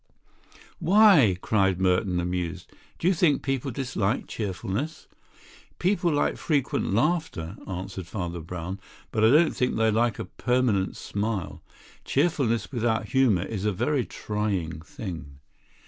"Why?" cried Merton amused. "Do you think people dislike cheerfulness?" "People like frequent laughter," answered Father Brown, "but I don't think they like a permanent smile. Cheerfulness without humour is a very trying thing."